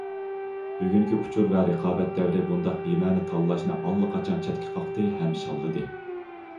بۈگۈنكى ئۇچۇر ۋە رىقابەت دەۋرى بۇنداق بىمەنە تاللاشنى ئاللىقاچان چەتكە قاقتى ھەم شاللىدى.